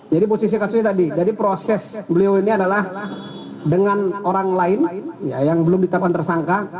jadi posisi kasusnya tadi jadi proses beliau ini adalah dengan orang lain yang belum ditetapkan tersangka